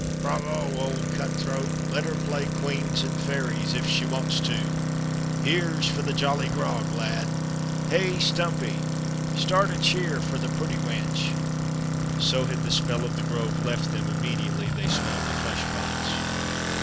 "Bravo, old cutthroat! Let her play queens an' fairies, if she wants to. Here's for th' jolly grog, lads. Hey, Stumpy, start a cheer for th' pretty wench!" So had the spell of the Grove left them immediately they smelled the fleshpots.